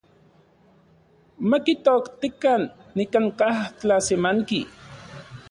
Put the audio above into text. Makitoktikan nikanka’ tlasemanki.